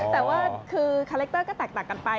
แต่ว่าคือคาแรคเตอร์ก็แตกต่างกันไป